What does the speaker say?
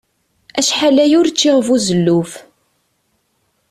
Acḥal aya ur ččiɣ buzelluf.